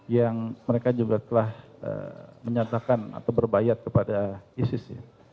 yang mereka juga telah menyatakan atau berbayat kepada isis